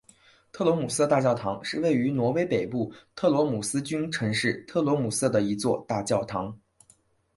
特罗姆瑟大教堂是位于挪威北部特罗姆斯郡城市特罗姆瑟的一座大教堂。